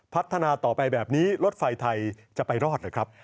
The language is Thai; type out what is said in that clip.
พัฒนาต่อไปแบบนี้รถไฟไทยจะไปรอดหรือครับ